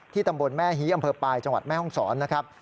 ตำบลแม่ฮีอำเภอปลายจังหวัดแม่ห้องศรนะครับ